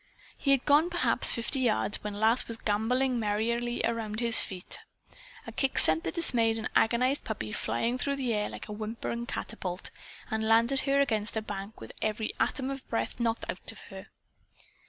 He had gone perhaps fifty yards when Lass was gamboling merrily around his feet. A kick sent the dismayed and agonized puppy flying through the air like a whimpering catapult, and landed her against a bank with every atom of breath knocked out of her.